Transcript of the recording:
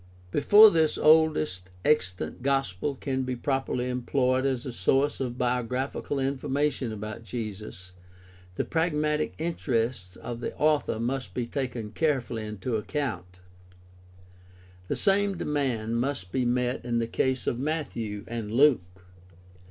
Before this oldest extant gospel can be properly employed as a source of biographical information about Jesus, the pragmatic interests of the author 'must be taken carefully into account. The same demand must be met in the case of Matthew and Luke.